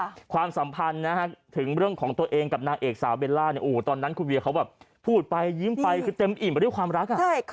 แล้วการสัมพันธ์ถึงเรื่องของตัวเองกับนางเอกสาวเบลล่าตอนนั้นคุณเวียเขาแบบพูดไปยิ้มไปเต็มอิ่มมาเรียกว่าความรัก